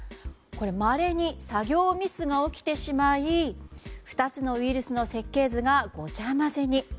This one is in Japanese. まれに作業ミスが起きてしまい２つのウイルスの設計図がごちゃ混ぜに。